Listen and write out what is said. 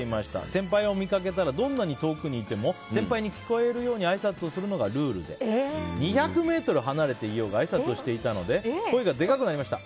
先輩を見かけたらどんなに遠くにいても先輩に聞こえるようにあいさつをするのがルールで２００ｍ離れていようがあいさつをしていたので声がでかくなりました。